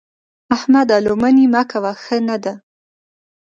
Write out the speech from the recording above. احمده! لو منې مه کوه؛ ښه نه ده.